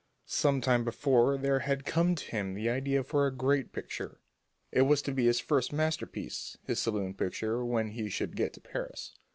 Some time before there had come to him the idea for a great picture. It was to be his first masterpiece, his salon picture when he should get to Paris.